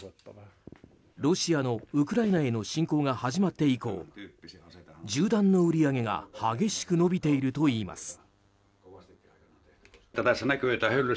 ロシアのウクライナへの侵攻が始まって以降銃弾の売り上げが激しく伸びているといいます。